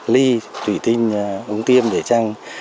ly thủy tinh ống tiêm để trang